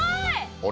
あれ？